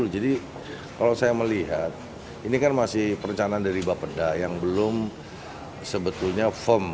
jadi kalau saya melihat ini kan masih perencanaan dari bapeda yang belum sebetulnya firm